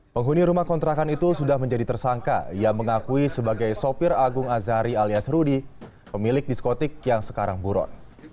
penghuni rumah kontrakan itu sudah menjadi tersangka ia mengakui sebagai sopir agung azari alias rudy pemilik diskotik yang sekarang buron